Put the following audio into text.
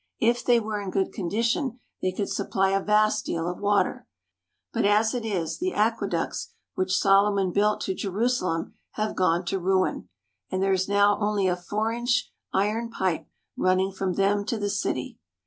If they were in good condition they could supply a vast deal of water, but as it is, the aque ducts which Solomon built to Jerusalem have gone to ruin, and there is now only a four inch iron pipe running from them to the city.